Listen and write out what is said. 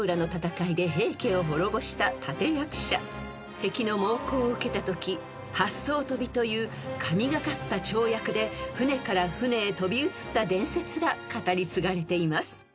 ［敵の猛攻を受けたとき八艘飛びという神懸かった跳躍で船から船へ飛び移った伝説が語り継がれています］